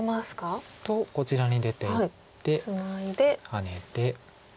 ハネて。